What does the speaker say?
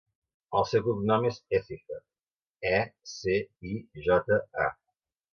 El seu cognom és Ecija: e, ce, i, jota, a.